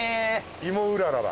芋うららだ。